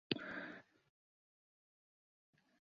چەند ڕەمزێکی بێسیمی دەوڵەتی ڕاگەیاند کە: